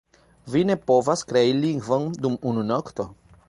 Vi ne povas krei lingvon dum unu nokto.